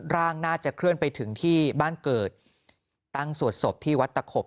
ร่างน่าจะเคลื่อนไปถึงที่บ้านเกิดตั้งสวดศพที่วัดตะขบ